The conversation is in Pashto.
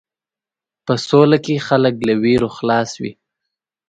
په سوله کې خلک له وېرو خلاص وي.